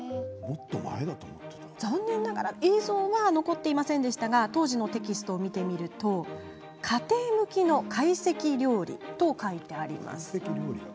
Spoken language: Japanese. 残念ながら映像は残っていませんが当時のテキストを見てみると家庭向きの懐石料理と書いてあります。